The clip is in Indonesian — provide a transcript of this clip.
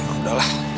eh udah lah